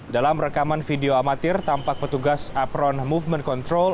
dalam rekaman video amatir tampak petugas apron movement control